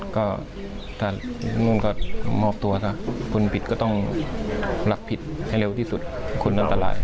ก็มอบตัวซะคนผิดก็ต้องหลักผิดให้เร็วที่สุดคนนั้นตลาย